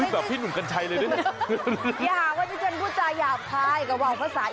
อย่าหาว่าจนพูดใจหยาบคล้ายกะว่ากุญฟาศาอีสาน